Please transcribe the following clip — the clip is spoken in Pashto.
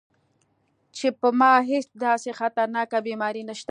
چې پۀ ما هېڅ داسې خطرناکه بيماري نشته -